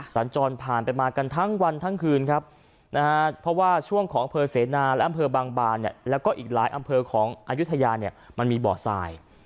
สัญจรผ่านไปมากันทั้งวันทั้งคืนครับนะฮะเพราะว่าช่วงของอำเภอเสนาและอำเภอบางบานเนี่ยแล้วก็อีกหลายอำเภอของอายุทยาเนี่ยมันมีบ่อทราย